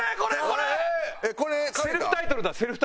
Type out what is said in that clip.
セルフタイトルだセルフタイトル。